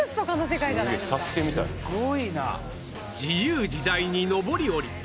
自由自在に昇り降り